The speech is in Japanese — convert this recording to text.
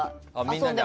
みんなで。